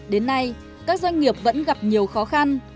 đến nay các doanh nghiệp vẫn gặp nhiều khó khăn